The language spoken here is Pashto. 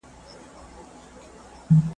له قضا پر یوه کلي برابر سو .